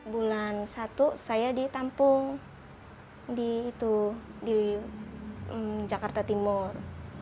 bulan satu saya ditampung di jakarta timur